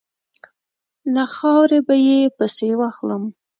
له خاورې به یې پسي واخلم.